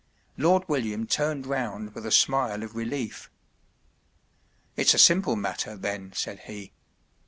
Lord William turned round with a smile of relief. “ It’s a simple matter, then,” said he.